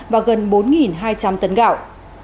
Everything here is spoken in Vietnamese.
và gần bốn hai trăm linh tấn gạo